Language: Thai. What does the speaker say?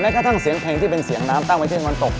แม้แค่ทั้งเสียงเพลงที่เป็นเสียงน้ำตั้งไว้ที่ที่ตะวันตก